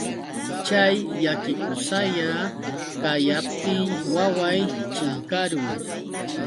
Chay llakikusalla kayaptiy waway chinkarun.